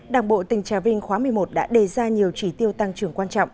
đảng bộ tỉnh trà vinh khóa một mươi một đã đề ra nhiều chỉ tiêu tăng trưởng quan trọng